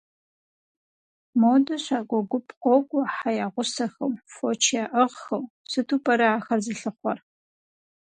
Модэ щакӀуэ гуп къокӀуэ хьэ ягъусэхэу, фоч яӀыгъхэу, сыту пӀэрэ ахэр зылъыхъуэр?